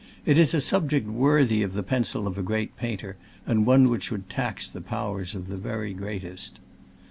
It is a subject worthy of the pencil of a great painter, and one which would tax the powers of the very greatest.